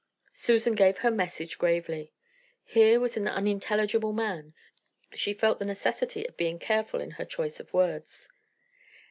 Susan gave her message gravely. Here was an unintelligible man; she felt the necessity of being careful in her choice of words.